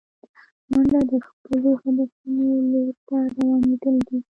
منډه د خپلو هدفونو لور ته روانېدل دي